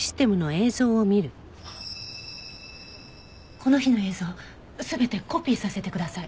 この日の映像全てコピーさせてください。